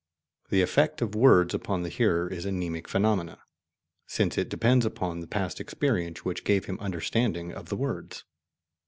The effect of words upon the hearer is a mnemic phenomena, since it depends upon the past experience which gave him understanding of the words.